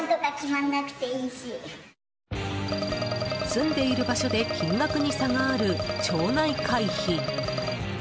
住んでいる場所で金額に差がある、町内会費。